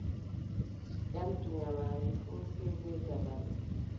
Ƴamtu nyaamaande fuu sey bee dabare.